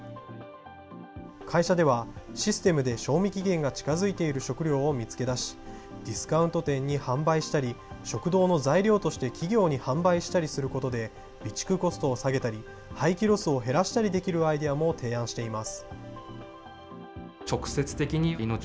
会社では、システムで賞味期限が近づいている食料を見つけ出し、ディスカウント店に販売したり、食堂の材料として企業に販売したりすることで、備蓄コストを下げたり、廃棄ロスを減らしたりできるアイデアも提案しています。